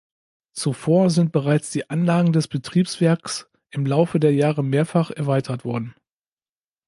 Zuvor sind bereits die Anlagen des Betriebswerks im Laufe der Jahre mehrfach erweitert worden.